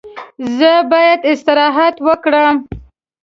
زه باید استراحت وکړم.